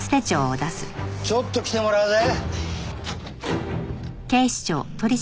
ちょっと来てもらうぜ。